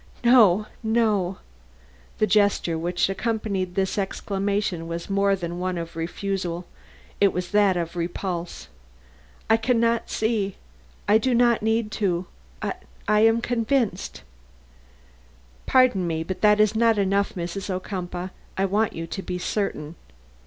"No, no!" The gesture which accompanied this exclamation was more than one of refusal, it was that of repulse. "I can not see I do not need to I am convinced." "Pardon me, but that is not enough, Mrs. Ocumpaugh. I want you to be certain.